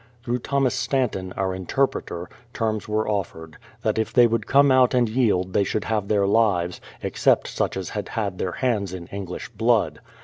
Through Thomas Stanton, our interpreter, terms were offered ; that if they would come out and j ield they should have their lives, except such as had had their hands in English blood.